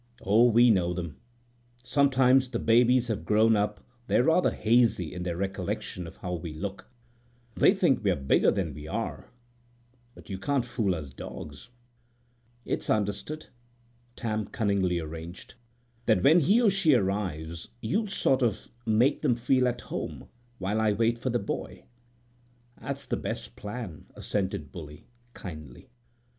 "Oh, we know them. Sometimes the babies have so grown up they're rather hazy in their recollection of how we look. They think we're bigger than we are; but you can't fool us dogs." "It's understood," Tam cunningly arranged, "that when he or she arrives you'll sort of make them feel at home while I wait for the boy?" "That's the best plan," assented Bully, kindly.